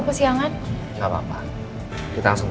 quesitkin ada materi tersebut